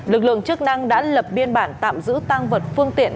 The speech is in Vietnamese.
lực lượng chức năng đã lập biên bản tạm giữ tăng vật phương tiện